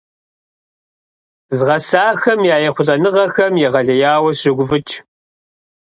Згъасэхэм я ехъулӀэныгъэхэм егъэлеяуэ сыщогуфӀыкӀ.